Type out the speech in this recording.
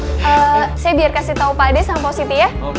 eee saya biar kasih tau pak d sama pak siti ya